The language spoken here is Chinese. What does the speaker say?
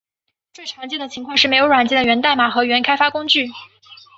最常见的情况是没有软件的源代码和原开发工具。